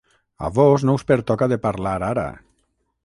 A vós no us pertoca de parlar, ara.